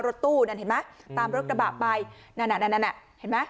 รถตู้นั่นเห็นไหมตามรถกระบะไปนั่นน่ะนั่นนั่นน่ะเห็นไหม